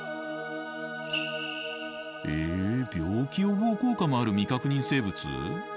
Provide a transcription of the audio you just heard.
え病気予防効果もある未確認生物！？